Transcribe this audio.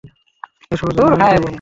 এসবের জন্য আমি দায়ী।